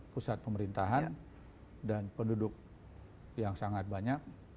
pusat pemerintahan dan penduduk yang sangat banyak